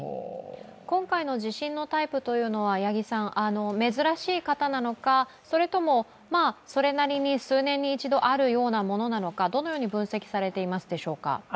今回の地震のタイプというのは、珍しい型なのか、それともそれなりに数年に一度あるようなものなのか、どのように分析されていますでしょうか？